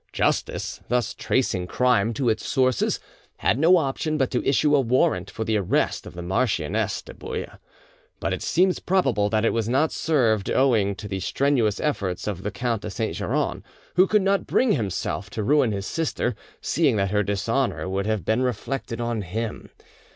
Justice, thus tracing crime to its sources, had no option but to issue a warrant for the arrest of the Marchioness de Bouilie; but it seems probable that it was not served owing to the strenuous efforts of the Count de Saint Geran, who could not bring himself to ruin his sister, seeing that her dishonour would have been reflected on him.